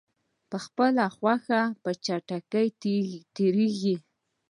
په خپله خوښه په چټکۍ تېریږي.